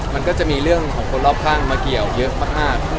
มันก็จะมีเรื่องของคนรอบข้างมาเกี่ยวเยอะมาก